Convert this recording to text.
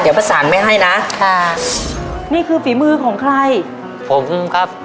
เดี๋ยวประสานไม่ให้นะค่ะนี่คือฝีมือของใครผมครับ